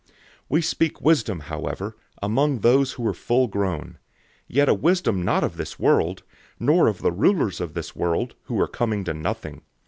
002:006 We speak wisdom, however, among those who are full grown; yet a wisdom not of this world, nor of the rulers of this world, who are coming to nothing.